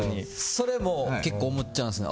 それも思っちゃうんですよ